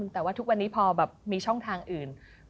แต่ว่าทุกวันนี้พอแบบมีช่องทางอื่น